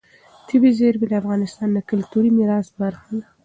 طبیعي زیرمې د افغانستان د کلتوري میراث برخه ده.